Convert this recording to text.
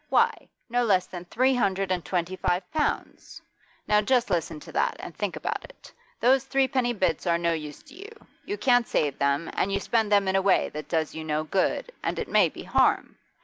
Why, no less than three hundred and twenty five pounds! Now just listen to that, and think about it. Those threepenny bits are no use to you; you can't save them, and you spend them in a way that does you no good, and it may be harm.